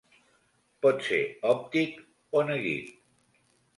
Pot ser òptic o neguit.